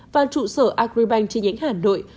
và trụ sở agribank chi nhánh hà nội